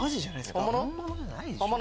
本物？